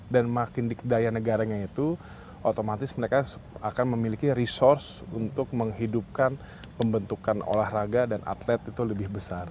dan makin dikdaya negaranya itu otomatis mereka akan memiliki resource untuk menghidupkan pembentukan olahraga dan atlet itu lebih besar